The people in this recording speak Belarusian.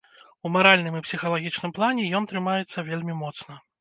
У маральным і псіхалагічным плане ён трымаецца вельмі моцна.